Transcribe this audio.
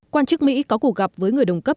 quan chức mỹ có cuộc gặp với người đồng cấp